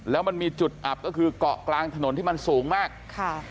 แล้วมันมีจุดอับก็คือเกาะกลางถนนที่มันสูงมากค่ะ